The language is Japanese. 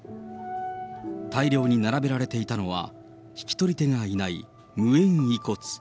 大量に並べられていたのは、引き取り手がいない無縁遺骨。